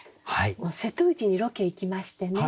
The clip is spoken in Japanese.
瀬戸内にロケ行きましてね